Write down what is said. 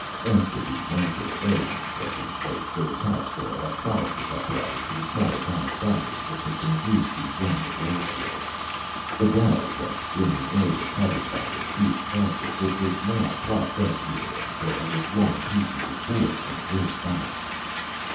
After the massive airlock was in place, they attached their electrolysis apparatus to the small atomic battery, which had been used to run the well driller. The well was in the area covered by the sheet of plastic, which was now propped up here and there with long pieces of board from the great box.